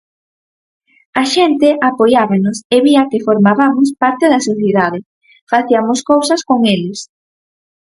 A xente apoiábanos e vía que formabamos parte da sociedade, faciamos cousas con eles.